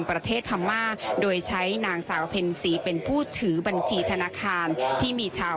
ประเทศพม่าโดยใช้ทางสาวเพนสีเป็นผู้ถือบัญชีธรรมค์ทานที่มีชาว